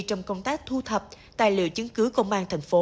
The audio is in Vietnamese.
trong công tác thu thập tài liệu chứng cứ công an tp hcm